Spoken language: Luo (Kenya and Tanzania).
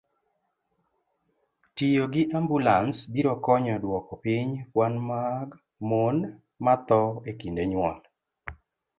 Tiyo gi ambulans biro konyo dwoko piny kwan mag mon mathoo e kinde nyuol.